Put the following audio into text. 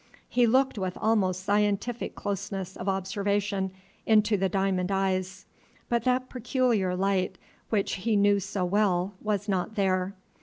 He looked with almost scientific closeness of observation into the diamond eyes; but that peculiar light which he knew so well was not there.